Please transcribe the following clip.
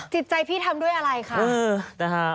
จิตใจพี่ทำด้วยอะไรคะ